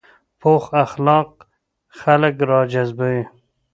پوخ اخلاق خلک راجذبوي